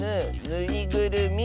「ぬいぐるみ」。